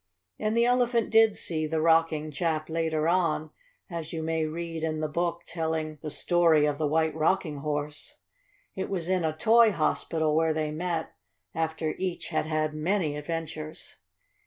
And the Elephant did see the Rocking chap later on, as you may read in the book telling "The Story of the White Rocking Horse." It was in a Toy Hospital where they met, after each had had many adventures.